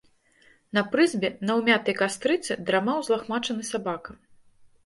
На прызбе, на ўмятай кастрыцы, драмаў узлахмачаны сабака.